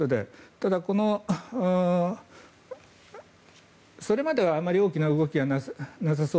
ただ、それまではあまり大きな動きはなさそう。